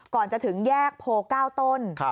ก่อนจะถึงแยกโพ๙ต้น